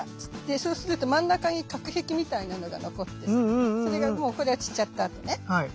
そうすると真ん中に隔壁みたいなのが残ってさそれがもうこれは散っちゃったあとね。